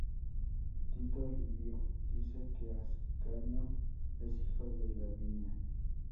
Tito Livio dice que Ascanio es hijo de Lavinia.